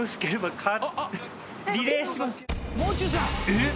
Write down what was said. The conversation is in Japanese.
［えっ⁉］